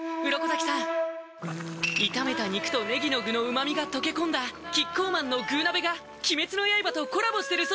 鱗滝さん炒めた肉とねぎの具の旨みが溶け込んだキッコーマンの「具鍋」が鬼滅の刃とコラボしてるそうです